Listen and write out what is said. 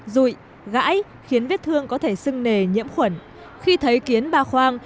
rụi gãi khiến vết thương có thể sưng nề nhiễm khuẩn khi thấy kiến ba khoang